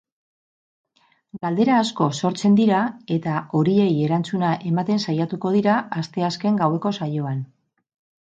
Galdera asko sortzen dira eta horiei erantzuna ematen saiatuko dira asteazken gaueko saioan.